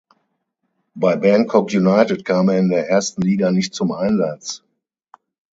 Bei Bangkok United kam er in der ersten Liga nicht zum Einsatz.